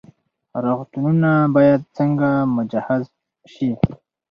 روغتونونه باید څنګه مجهز شي؟